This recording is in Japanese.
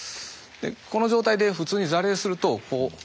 この状態で普通に座礼すると。